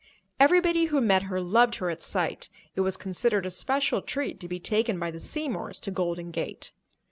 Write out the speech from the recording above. Everybody who met her loved her at sight. It was considered a special treat to be taken by the Seymours to Golden Gate.